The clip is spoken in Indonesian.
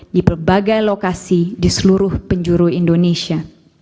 di berbagai lokasi di seluruh penjuru indonesia